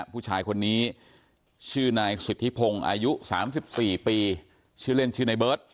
ผู้ชายคนนี้ชื่อนายสุธิพงศ์อายุสามสิบสี่ปีชื่อเล่นชื่อนายเบิร์ต